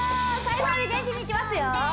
最後まで元気にいきますよ